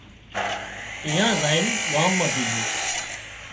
ايئانئي زائين ڳام مان ڪيڌون